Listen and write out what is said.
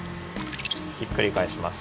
ひっくりかえします。